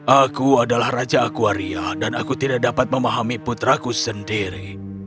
aku adalah raja aquaria dan aku tidak dapat memahami putraku sendiri